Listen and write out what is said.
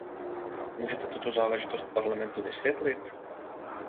Můžete tuto záležitost Parlamentu vysvětlit?